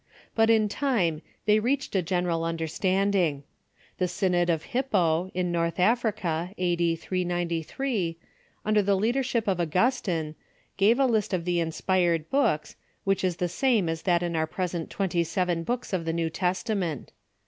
But in time they reached a general un derstanding. The Synod of Hippo, in North Afri Settiement of .^^^ 3^3 ^^der the leadership of Augustine, gave the tanon ''.. a list of the inspired books, which is the same as that of our present twenty seven books of the New Testament.